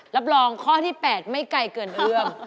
รับรองข้อที่๘ไม่ไกลเกินเรื่อง